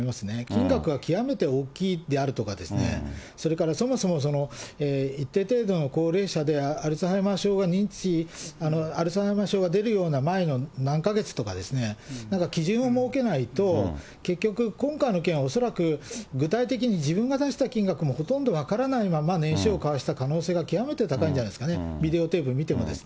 金額が極めて大きいであるとか、それからそもそも、一定程度の高齢者でアルツハイマー症が認知、アルツハイマー症が出るような前の何か月とかですね、なんか基準を設けないと、結局、今回の件は恐らく、具体的に自分が出した金額もほとんど分からないまま、念書を交わした可能性が極めて高いんじゃないですかね、ビデオテープ見ても。